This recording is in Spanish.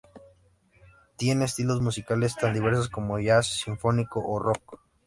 Tiene estilos musicales tan diversos como jazz, sinfónico o rock.